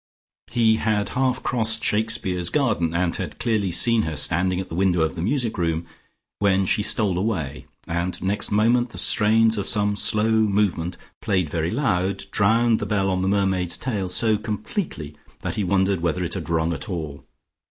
He had half crossed Shakespeare's garden, and had clearly seen her standing at the window of the music room, when she stole away, and next moment the strains of some slow movement, played very loud, drowned the bell on the mermaid's tail so completely that he wondered whether it had rung at all.